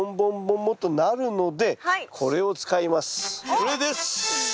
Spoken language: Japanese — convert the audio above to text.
これです！